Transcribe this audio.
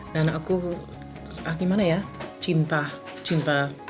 dan aku gimana ya cinta